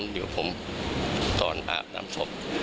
เดี๋ยวผมตอนอาบน้ำศพ